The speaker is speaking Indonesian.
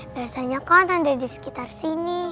biasanya kan ada di sekitar sini